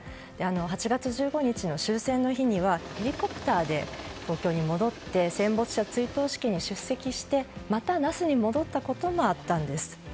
８月１５日の終戦の日にはヘリコプターで東京に戻って戦没者追悼式に出席してまた那須に戻ったこともあったんです。